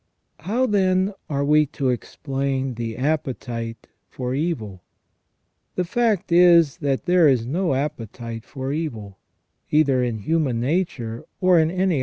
How, then, are we to explain the appetite for evil ? The fact is, that there is no appetite for evil, either in human nature or in any * Suarez, De Anima, 1.